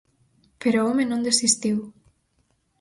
Pero o home non desistiu.